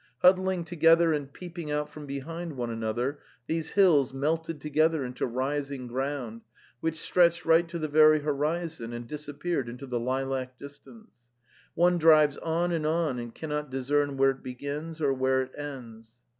Huddling together and peeping out from behind one another, these hills melted together into rising ground, which stretched right to the very horizon and disappeared into the lilac distance; one drives on and on and cannot discern where it begins or where it ends.